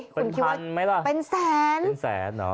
เป็นพันธุ์ไหมล่ะเป็นแสนเป็นแสนน่ะ